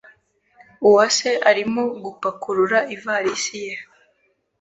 Uwase arimo gupakurura ivalisi ye.